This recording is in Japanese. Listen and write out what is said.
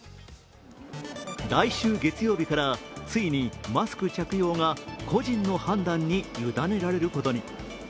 来週月曜日からついにマスク着用が個人の判断に委ねられることに。